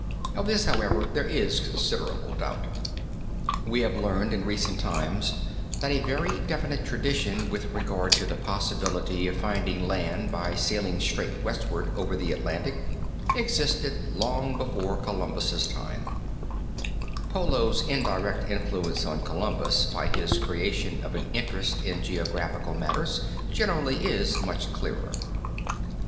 Of this, however, there is considerable doubt. We have learned in recent times, that a very definite tradition with regard to the possibility of finding land by sailing straight westward over the Atlantic existed long before Columbus' time. [Footnote 34] Polo's indirect influence on Columbus by his creation of an interest in geographical matters generally is much clearer.